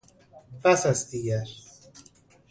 بس است دیگر